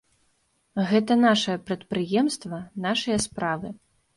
Гэта нашае прадпрыемства, нашыя справы.